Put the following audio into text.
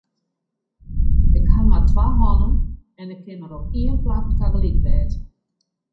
Ik haw mar twa hannen en ik kin mar op ien plak tagelyk wêze.